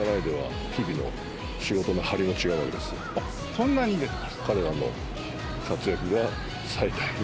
そんなにですか！